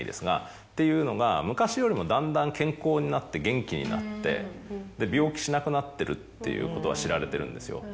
っていうのが昔よりもだんだん健康になって元気になって病気しなくなってるということは知られてるんですよ。